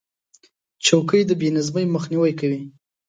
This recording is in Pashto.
چوکۍ د بې نظمۍ مخنیوی کوي.